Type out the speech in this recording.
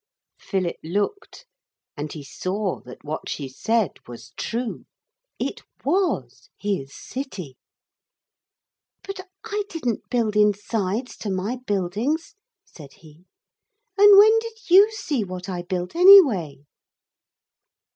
Philip looked and he saw that what she said was true. It was his city. 'But I didn't build insides to my buildings,' said he; 'and when did you see what I built anyway?'